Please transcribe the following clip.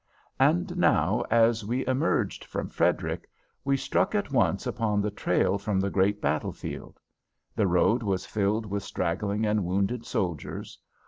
And now, as we emerged from Frederick, we struck at once upon the trail from the great battle field. The road was filled with straggling and wounded soldiers.